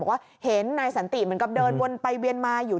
ว่าเห็นนายสันติเหมือนกับเดินวนไปเวียนมาอยู่